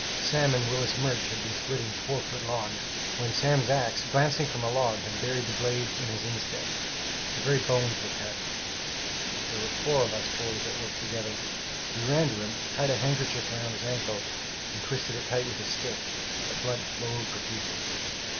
Sam and Willis Murch had been splitting four foot logs, when Sam's axe, glancing from a log, had buried the blade in his instep; the very bones were cut. There were four of us boys at work together. We ran to him, tied a handkerchief round his ankle, and twisted it tight with a stick; but blood flowed profusely.